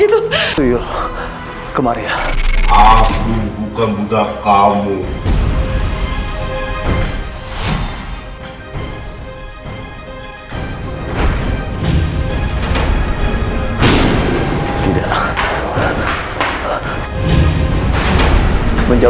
pintu belakang ada di kunci